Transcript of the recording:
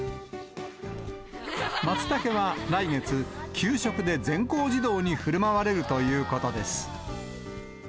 マツタケは来月、給食で全校児童にふるまわれるということです。